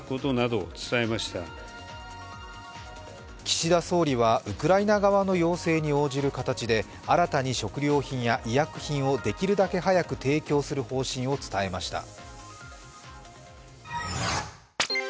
岸田総理はウクライナ側の要請に応じる形で新たに食料品や医薬品をできるだけ早く提供する方針を伝えました。